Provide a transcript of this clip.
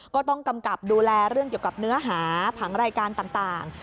กำกับดูแลเรื่องเกี่ยวกับเนื้อหาผังรายการต่าง